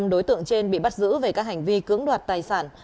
năm đối tượng trên bị bắt giữ về các hành vi cưỡng đoạt tài sản